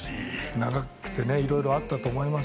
長くて色々あったと思います。